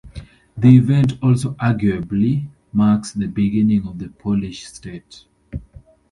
The event also arguably marks the beginning of the Polish state.